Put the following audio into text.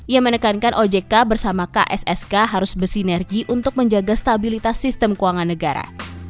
ia menekankan ojk bersama kssk harus bersinergi untuk menjaga stabilitas sistem keuangan negara